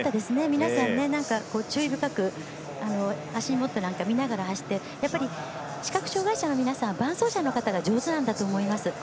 皆さん、注意深く足元なんか見ながらやっぱり、視覚障がい者の皆さん伴走者の皆さんが上手なんだと思います。